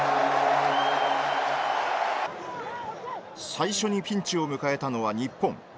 最初にピンチを迎えたのは日本。